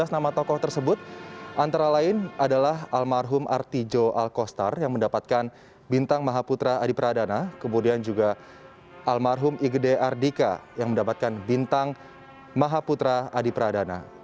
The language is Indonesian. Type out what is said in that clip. tiga belas nama tokoh tersebut antara lain adalah almarhum artijo alkostar yang mendapatkan bintang mahaputra adipradana kemudian juga almarhum igde ardika yang mendapatkan bintang mahaputra adipradana